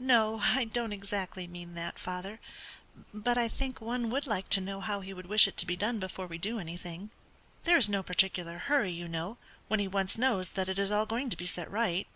"No, I don't exactly mean that, father; but I think one would like to know how he would wish it to be done before we do anything. There is no particular hurry, you know, when he once knows that it is all going to be set right."